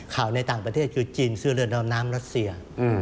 ข่าวในต่างประเทศคือจีนซื้อเรือดำน้ำรัฐเสีย